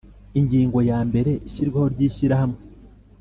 Ingingo ya mbere Ishyirwaho ry Ishyirahamwe